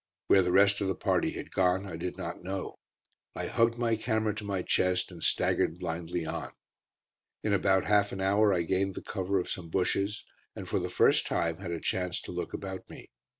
Where the rest of the party had gone I did not know. I hugged my camera to my chest and staggered blindly on. In about half an hour I gained the cover of some bushes, and for the first time had a chance to look about me.